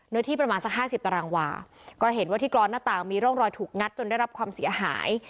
ที่ประมาณสักห้าสิบตารางวาก็เห็นว่าที่กรอนหน้าต่างมีร่องรอยถูกงัดจนได้รับความเสียหาย